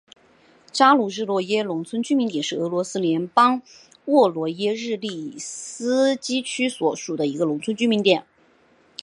扎卢日诺耶农村居民点是俄罗斯联邦沃罗涅日州利斯基区所属的一个农村居民点。